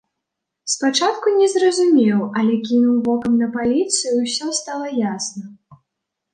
Спачатку не зразумеў, але кінуў вокам на паліцу, і ўсё стала ясна.